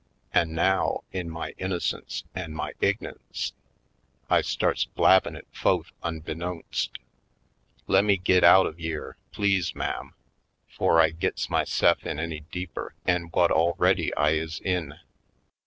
An' now, in my innocence an' my ign'ence, I starts blabbin' it fo'th unbeknowst. Lemme git out of yere, please ma'am, 'fore I gits myse'f in any deeper 'en whut already I is in!"